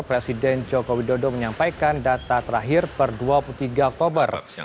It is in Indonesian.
presiden joko widodo menyampaikan data terakhir per dua puluh tiga oktober